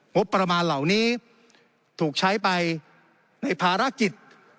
งบประมาณเหล่านี้ถูกใช้ไปในภารกิจ